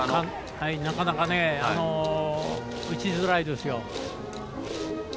なかなか打ちづらいですよ。